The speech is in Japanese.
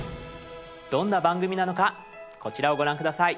どんな番組なのかこちらをご覧下さい。